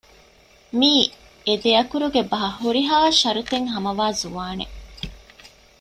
މީ އެދެއަކުރުގެ ބަހަށް ހުރިހާ ޝަރުތެއް ހަމަވާ ޒުވާނެއް